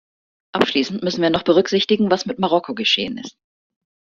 Abschließend müssen wir noch berücksichtigen, was mit Marokko geschehen ist.